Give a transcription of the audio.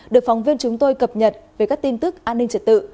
được phóng viên chúng tôi cập nhật về các tin tức an ninh trật tự